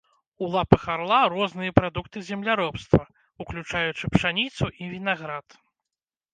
У лапах арла розныя прадукты земляробства, уключаючы пшаніцу і вінаград.